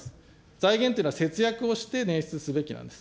財源っていうのは節約をして捻出すべきなんです。